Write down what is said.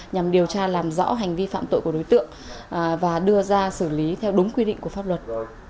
nhằm điều tra làm rõ hành vi phạm tội của đối tượng và đưa ra xử lý theo đúng quy định của pháp luật